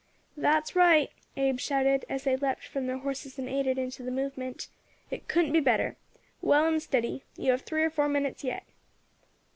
"That's right," Abe shouted, as they leapt from their horses and aided in the movement. "It couldn't be better. Well and steady. You have three or four minutes yet."